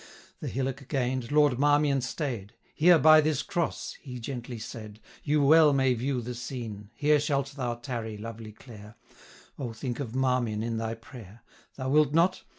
The hillock gain'd, Lord Marmion staid: 690 'Here, by this Cross,' he gently said, 'You well may view the scene. Here shalt thou tarry, lovely Clare: O! think of Marmion in thy prayer! Thou wilt not?